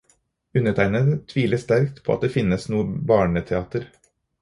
Undertegnede tviler sterkt på at det finnes noe barneteater.